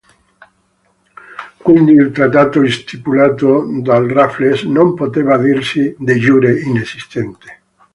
Quindi il trattato stipulato dal Raffles non poteva dirsi "de jure" inesistente.